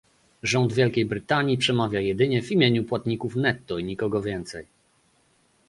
Rząd Wielkiej Brytanii przemawia jedynie w imieniu płatników netto i nikogo więcej